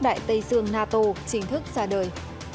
đại tây dương nato chính thức ra đời